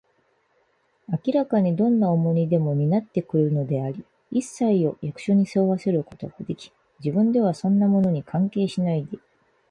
役所は明らかにどんな重荷でも担ってくれているのであり、いっさいを役所に背負わせることができ、自分ではそんなものに関係しないで、自由でいられる